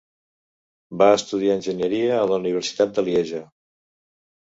Va estudiar enginyeria a la Universitat de Lieja.